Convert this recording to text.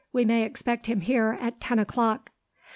"We may expect him here at ten o'clock."